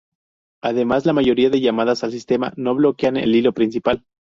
Además, la mayoría de llamadas al sistema no bloquean el hilo principal.